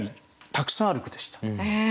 たくさんある句でした。